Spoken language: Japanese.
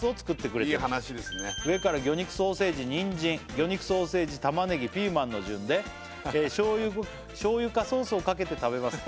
なるほどいい話ですね「上から魚肉ソーセージニンジン魚肉ソーセージタマネギピーマンの順で」「しょうゆかソースをかけて食べます」